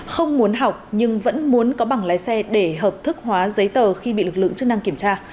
không muốn học nhưng vẫn muốn có bằng lái xe để hợp thức hóa giấy tờ khi bị lực lượng chức năng kiểm tra